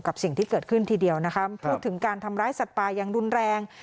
กับสิ่งที่เกิดขึ้นทีเดียวนะคะพูดถึงการทำร้ายสัตว์ป่าอย่างรุนแรง